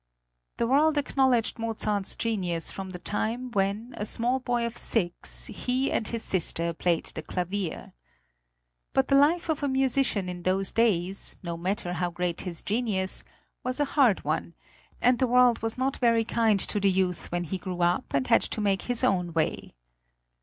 The world acknowledged Mozart's genius from the time when, a small boy of six, he and his sister played the clavier. But the life of a musician in those days, no matter how great his genius, was a hard one, and the world was not very kind to the youth when he grew up and had to make his own way.